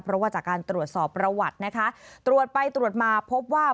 เพราะว่าจากการตรวจสอบประวัตินะคะตรวจไปตรวจมาพบว่า